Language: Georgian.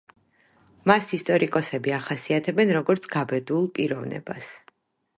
მას ისტორიკოსები ახასიათებენ, როგორც გაბედულ პიროვნებას.